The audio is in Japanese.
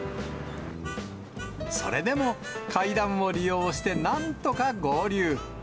それでも、階段を利用してなんとか合流。